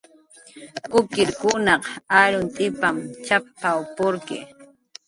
"Kukirkunaq arumt'ipan cx""app""w purqki"